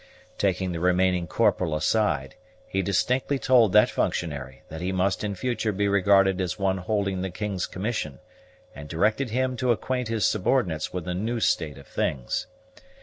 Taking the remaining corporal aside, he distinctly told that functionary that he must in future be regarded as one holding the king's commission, and directed him to acquaint his subordinates with the new state of things.